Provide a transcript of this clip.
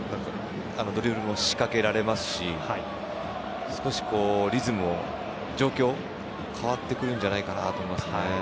ドリブルも仕掛けられますし少しリズム、状況変わってくるんじゃないかなと思います。